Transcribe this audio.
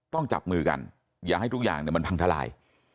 ต้องจับมือกันอย่าให้ทุกอย่างมันพังทลาย